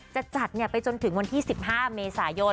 จะจัดไปจนถึงวันที่๑๕เมษายน